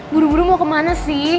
beru beru mau kemana